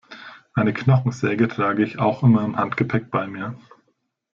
Eine Knochensäge trage ich auch immer im Handgepäck bei mir.